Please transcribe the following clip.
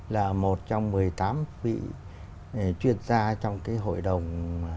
là một trong một mươi tám vị chuyên gia trong cái hội đồng